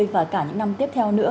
và cả những năm tiếp theo nữa